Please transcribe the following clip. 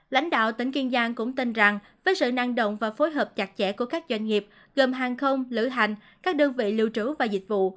lãnh đạo tỉnh kiên giang cũng tin rằng với sự năng động và phối hợp chặt chẽ của các doanh nghiệp gồm hàng không lữ hành các đơn vị lưu trú và dịch vụ